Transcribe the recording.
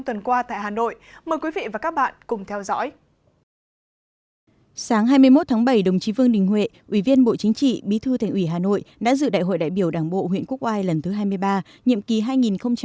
sáng hai mươi một tháng bảy đồng chí vương đình huệ ủy viên bộ chính trị bí thư thành ủy hà nội đã dự đại hội đại biểu đảng bộ huyện quốc oai lần thứ hai mươi ba nhiệm kỳ hai nghìn hai mươi hai nghìn hai mươi năm